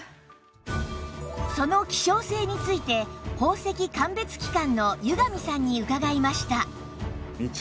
その希少性について宝石鑑別機関の湯上さんに伺いました